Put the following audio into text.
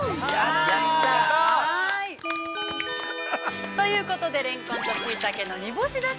◆やった！ということで、れんこんとしいたけの煮干し出汁